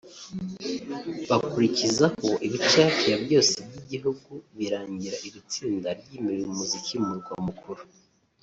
bakurikizaho ibice hafi ya byose by'igihugu birangira iri tsinda ryimuriye umuziki mu murwa mukuru